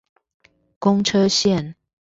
公車線